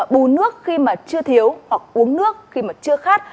bù nước khi mà chưa thiếu hoặc uống nước khi mà chưa khát